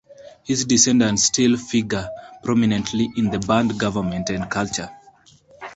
His descendants still figure prominently in band government and culture.